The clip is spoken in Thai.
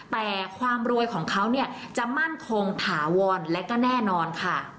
แต่ความรวยของเขาเนี่ยจะมั่นคงถาวรและก็แน่นอนค่ะ